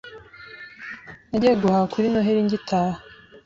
Nagiye guhaha kuri Noheri ngitaha.